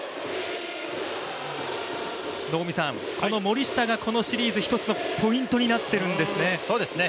この森下がこのシリーズ、１つのポイントになっているんですね。